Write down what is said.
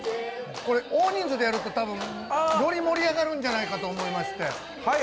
大人数でやるとより盛り上がるんじゃないかと思いまして。